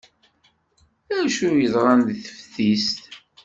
Acu yeḍran deg teftist?